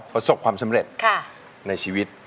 ประสบความสำเร็จในชีวิต